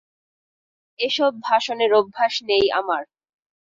এসব ভাষণের অভ্যাস নেই আমার।